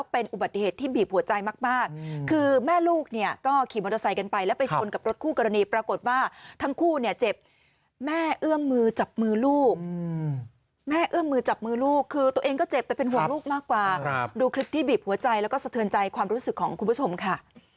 เป็นอุบัติเหตุที่บีบหัวใจมากคือแม่ลูกเนี่ยก็ขี่มอเตอร์ไซค์กันไปแล้วไปชนกับรถคู่กรณีปรากฏว่าทั้งคู่เนี่ยเจ็บแม่เอื้อมมือจับมือลูกแม่เอื้อมมือจับมือลูกคือตัวเองก็เจ็บแต่เป็นห่วงลูกมากกว่าดูคลิปที่บีบหัวใจแล้วก็สะเทือนใจความรู้สึกของคุณผู้ชมค่ะ